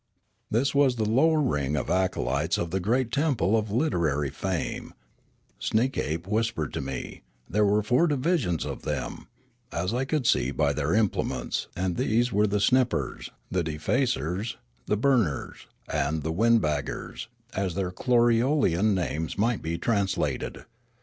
This was the lower ring of acolytes of the great temple of Literary Fame, Sneekape whispered to me; there were four divisions of them, as I could see by their implements, and these were the snippers, the de facers, the burners, and the wiudbaggers, as their Klo riolean names might be translated.